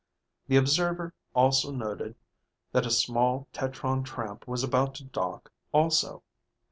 The observer also noted that a small tetron tramp was about to dock also.